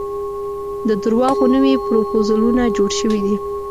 د درواغو نوي پرفوزلونه جوړ شوي دي.